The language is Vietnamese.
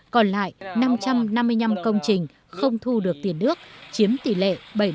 còn lại năm trăm năm mươi năm công trình không thu được tiền nước chiếm tỷ lệ bảy mươi